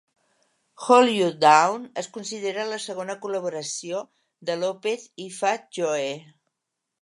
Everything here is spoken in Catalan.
"Hold You Down" es considera la segona col·laboració de Lopez i Fat Joe.